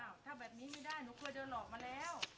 ถ้าแบบนี้ไม่ได้หนูเคยโดนหลอกมาแล้ว